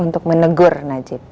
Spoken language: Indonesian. untuk menegur najib